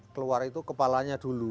keluar itu kepalanya dulu